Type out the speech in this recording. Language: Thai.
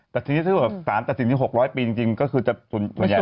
แต่ทีนี้ถือว่า๓แต่ทีนี้๖๐๐ปีจริงก็คือจะส่วนใหญ่แล้ว